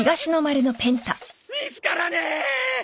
見つからねえ！